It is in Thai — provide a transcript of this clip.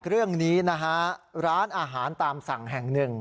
เรื่องนี้นะฮะร้านอาหารตามสั่งแห่งหนึ่ง